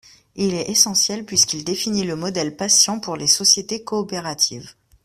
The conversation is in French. Il est essentiel puisqu’il définit le modèle patient pour les sociétés coopératives.